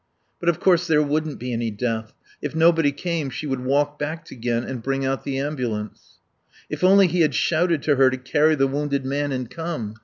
But of course there wouldn't be any death. If nobody came she would walk back to Ghent and bring out the ambulance. If only he had shouted to her to carry the wounded man and come.